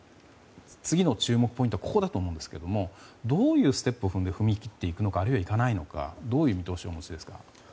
次の注目ポイントはここだと思うんですがどういうステップを踏んで踏み切っていくのかあるいは、いかないかどういう見通しをお持ちですか。